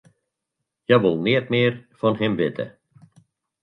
Hja wol neat mear fan him witte.